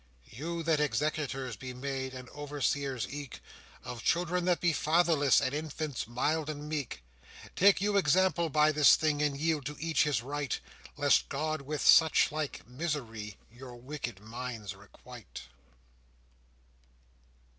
You that executors be made, And overseers eke, Of children that be fatherless, And infants mild and meek, Take you example by this thing, And yield to each his right, Lest God with suchlike misery Your wicked minds requite.